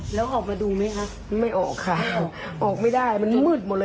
พวกบะหมี่กึ่งสำเร็จรูปอ่ะ